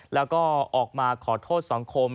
แล้วก็ออกมาขอโทษสังคม